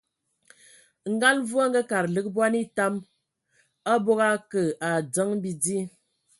Ngal Mvu a ngaakad lig bɔn etam, abog a akǝ a adzǝn bidí.